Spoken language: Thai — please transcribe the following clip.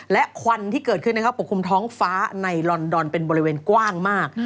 และควันที่เกิดขึ้นนะครับปกคลุมท้องฟ้าในลอนดอนเป็นบริเวณกว้างมาก